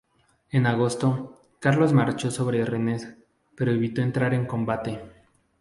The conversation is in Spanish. En agosto, Carlos marchó sobre Rennes, pero evitó entrar en combate.